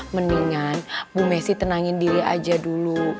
mendingan bu messi tenangin diri aja dulu